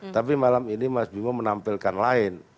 tapi malam ini mas bimo menampilkan lain